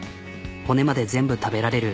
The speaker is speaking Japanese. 骨まで全部食べられる。